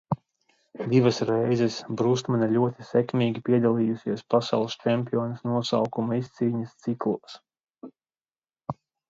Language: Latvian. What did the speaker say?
Divas reizes Brustmane ļoti sekmīgi piedalījusies Pasaules čempiones nosaukuma izcīņas ciklos.